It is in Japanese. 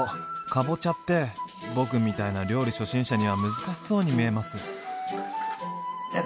かぼちゃって僕みたいな料理初心者には難しそうに見えます。